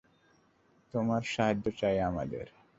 তোমার সাহায্য চাই আমাদের।